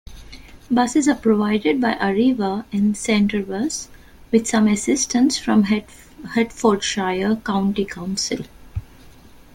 Buses are provided by Arriva and Centrebus, with some assistance from Hertfordshire County Council.